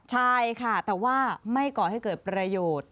ใช่ค่ะแต่ว่าไม่ก่อให้เกิดประโยชน์